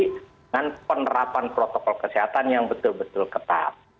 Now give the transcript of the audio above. dengan penerapan protokol kesehatan yang betul betul ketat